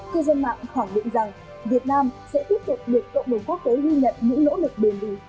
cư dân mạng khẳng định rằng việt nam sẽ tiếp tục được cộng đồng quốc tế ghi nhận những nỗ lực bền bỉ